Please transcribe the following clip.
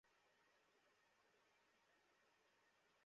ময়নাতদন্তের জন্য লাশ দুটি ঢাকা মেডিকেল কলেজ হাসপাতালের মর্গে আনা হয়।